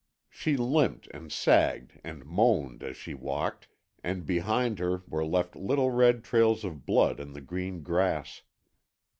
She limped and sagged and moaned as she walked, and behind her were left little red trails of blood in the green grass.